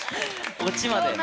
オチまで！